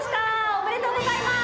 おめでとうございます。